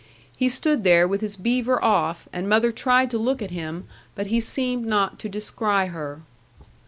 He stood there with his beaver off, and mother tried to look at him, but he seemed not to descry her.